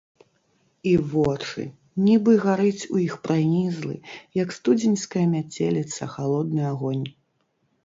І вочы - нібы гарыць у іх пранізлы, як студзеньская мяцеліца, халодны агонь.